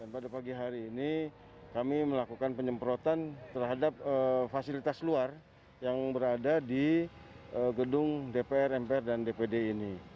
pada pagi hari ini kami melakukan penyemprotan terhadap fasilitas luar yang berada di gedung dpr mpr dan dpd ini